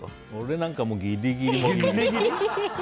俺なんか、ギリギリ。